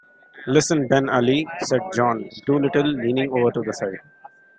“Listen, Ben Ali,” said John Dolittle, leaning over the side.